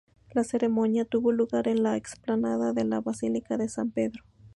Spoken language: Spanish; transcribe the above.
La ceremonia tuvo lugar en la explanada de la Basílica de San Pedro.